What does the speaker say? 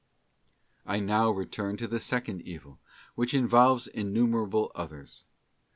: I now return to the second evil, which involves innu merable others.